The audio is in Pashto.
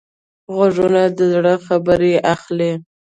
غوږونه د زړونو خبرې اخلي